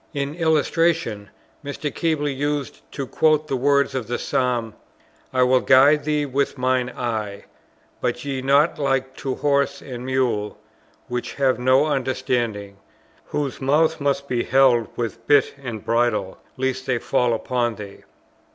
In illustration, Mr. Keble used to quote the words of the Psalm: "I will guide thee with mine eye. Be ye not like to horse and mule, which have no understanding; whose mouths must be held with bit and bridle, lest they fall upon thee."